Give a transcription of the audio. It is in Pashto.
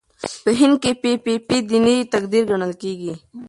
په هند کې پي پي پي دیني تقدیر ګڼل کېږي.